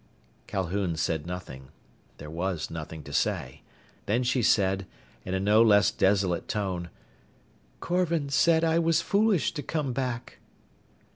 Calhoun said nothing. There was nothing to say. Then she said, in a no less desolate tone, "Korvan said I was foolish to come back."